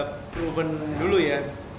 perlu bener dulu ya